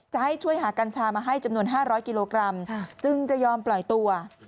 จะให้ช่วยหากัญชามาให้จำนวน๕๐๐กิโลกรัมจึงจะยอมปล่อยตัว